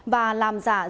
và làm giả sử phúc thẩm